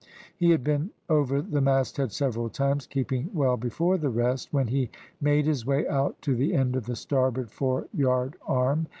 He had been over the mast head several times, keeping well before the rest, when he made his way out to the end of the starboard fore yard arm.